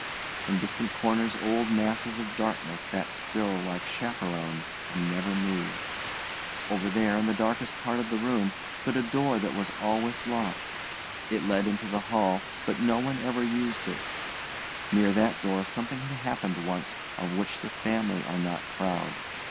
In distant corners old masses of darkness sat still like chaperones and never moved. Over there, in the darkest part of the room, stood a door that was always locked. It led into the hall, but no one ever used it; near that door something had happened once of which the family are not proud.